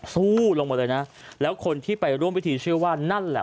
สู้ลงมาเลยนะแล้วคนที่ไปร่วมพิธีเชื่อว่านั่นแหละ